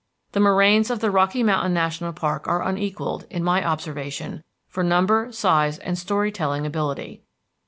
The moraines of the Rocky Mountain National Park are unequalled, in my observation, for number, size, and story telling ability.